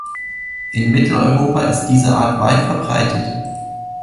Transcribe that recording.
In Mitteleuropa ist diese Art weit verbreitet.